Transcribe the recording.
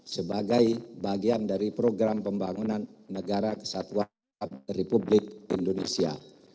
sebagai bagian dari program pembangunan negara kesatuan republik indonesia